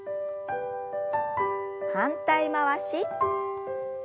反対回し。